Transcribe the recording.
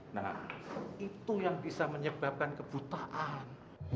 nah itu yang bisa menyebabkan kebutaan